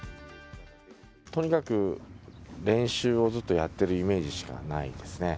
とにかく練習をずっとやってるイメージしかないですね。